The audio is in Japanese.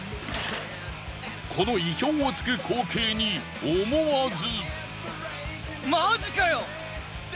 この意表を突く光景に思わず。